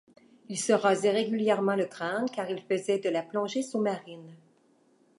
Il se rasait régulièrement le crâne car il faisait de la plongée sous-marine.